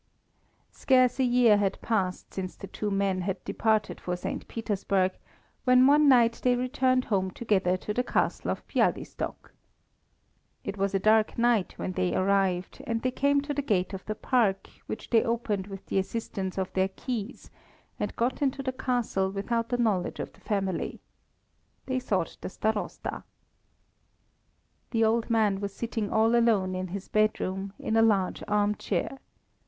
Scarce a year had passed since the two young men had departed for St. Petersburg, when one night they returned home together to the Castle of Bialystok. It was a dark night when they arrived, and they came to the gate of the park, which they opened with the assistance of their keys and got into the Castle without the knowledge of the family. They sought the Starosta. The old man was sitting all alone in his bedroom, in a large armchair.